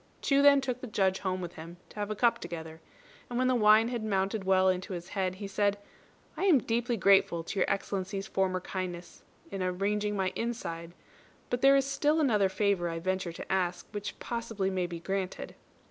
Chu then took the Judge home with him to have a cup together, and when the wine had mounted well into his head, he said, "I am deeply grateful to Your Excellency's former kindness in arranging my inside; but there is still another favour I venture to ask which possibly may be granted."